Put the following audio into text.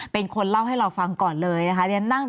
เป็นคนเล่าให้เราฟังก่อนเลยนะคะ